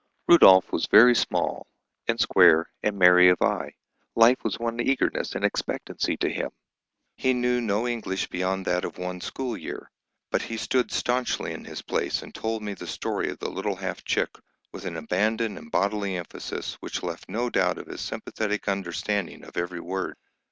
Rudolph was very small, and square, and merry of eye; life was one eagerness and expectancy to him. He knew no English beyond that of one school year. But he stood staunchly in his place and told me the story of the Little Half Chick with an abandon and bodily emphasis which left no doubt of his sympathetic understanding of every word.